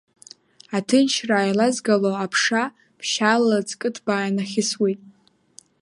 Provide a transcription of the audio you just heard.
Аҭынчра ааилазгало аԥша, ԥшьаала лыҵкы ҭбаа инахьысуеит.